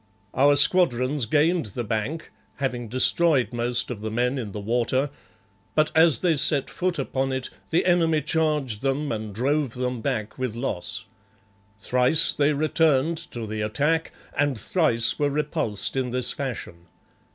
Our squadrons gained the bank, having destroyed most of the men in the water, but as they set foot upon it the enemy charged them and drove them back with loss. Thrice they returned to the attack, and thrice were repulsed in this fashion.